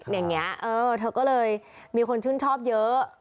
อย่างนี้เธอก็เลยมีคนชื่นชอบเยอะ